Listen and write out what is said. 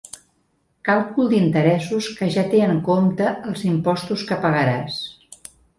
Càlcul d'interessos que ja té en compte els impostos que pagaràs.